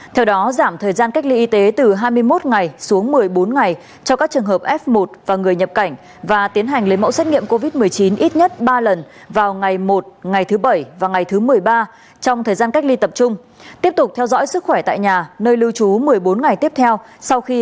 theo đó giảm thời gian cách ly y tế từ hai mươi một ngày xuống một mươi bốn ngày cho các trường hợp f một và người nhập cảnh và tiến hành lấy mẫu xét nghiệm covid một mươi chín ít nhất ba lần vào ngày một ngày thứ bảy và ngày thứ một mươi